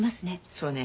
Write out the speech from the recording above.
そうね。